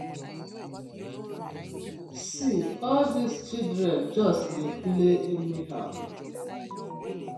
See all dis children just dey play anyhow.